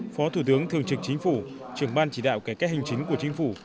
phó thủ tướng thường trực chính phủ trưởng ban chỉ đạo cải cách hành chính của chính phủ